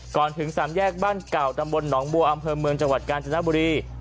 ถึงสามแยกบ้านเก่าตำบลหนองบัวอำเภอเมืองจังหวัดกาญจนบุรี